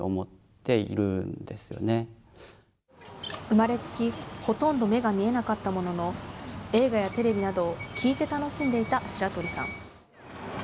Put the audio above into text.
生まれつきほとんど目が見えなかったものの、映画やテレビなどを聞いて楽しんでいた白鳥さん。